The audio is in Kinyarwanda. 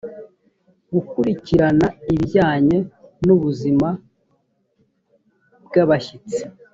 gukurikirana ibijyanye n ubuzima bw abashyitsi